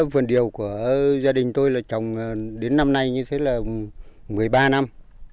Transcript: vườn điều của gia đình tôi là trồng đến năm nay như thế là một mươi ba năm